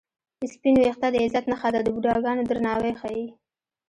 سپین وېښته د عزت نښه ده د بوډاګانو درناوی ښيي